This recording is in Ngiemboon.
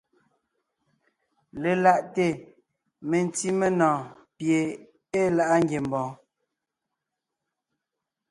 Lelaʼte mentí menɔ̀ɔn pie ée láʼa ngiembɔɔn.